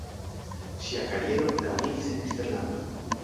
Ŝia kariero daŭriĝis en eksterlando.